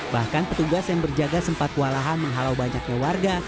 bahkan petugas yang berjaga sempat kualahan menghalau banyaknya warga